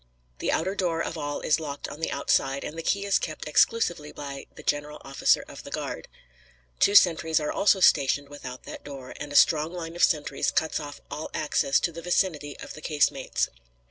The outer door of all is locked on the outside, and the key is kept exclusively by the general officer of the guard. Two sentries are also stationed without that door, and a strong line of sentries cuts off all access to the vicinity of the casemates.